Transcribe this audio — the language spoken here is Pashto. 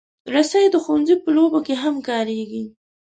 رسۍ د ښوونځي په لوبو کې هم کارېږي.